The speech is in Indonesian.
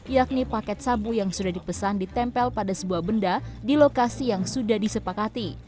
yakni paket sabu yang sudah dipesan ditempel pada sebuah benda di lokasi yang sudah disepakati